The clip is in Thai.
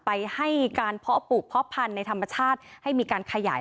ไปให้การเพาะปลูกเพาะพันธุ์ในธรรมชาติให้มีการขยาย